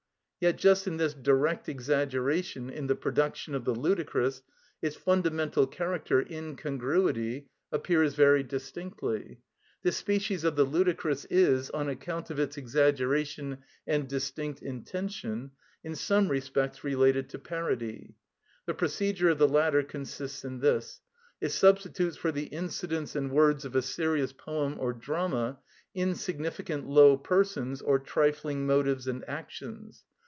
Yet just in this direct exaggeration in the production of the ludicrous its fundamental character, incongruity, appears very distinctly. This species of the ludicrous is, on account of its exaggeration and distinct intention, in some respects related to parody. The procedure of the latter consists in this. It substitutes for the incidents and words of a serious poem or drama insignificant low persons or trifling motives and actions.